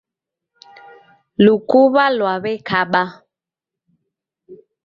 Lukuw'a lwaw'ekaba.